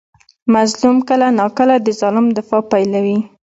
مظلوم کله ناکله د ظالم دفاع پیلوي.